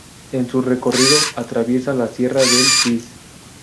En su recorrido atraviesa la sierra del Sis.